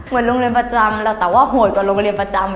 โรงเรียนประจำแล้วแต่ว่าโหดกว่าโรงเรียนประจำ